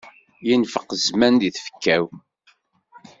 Infeq zzman di tfekka-w.